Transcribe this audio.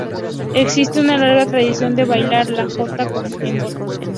Existe una larga tradición de bailar la jota en Bot.